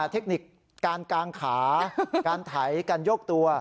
เทคนิคการกางขาการไถการยกตัว